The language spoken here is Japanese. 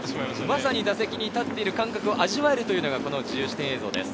まさに打席に立っている感覚を味わえるのが自由視点映像です。